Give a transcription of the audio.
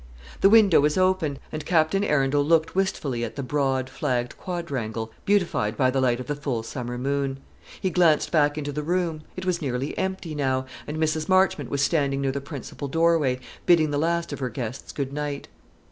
The window was open, and Captain Arundel looked wistfully at the broad flagged quadrangle beautified by the light of the full summer moon. He glanced back into the room; it was nearly empty now; and Mrs. Marchmont was standing near the principal doorway, bidding the last of her guests goodnight.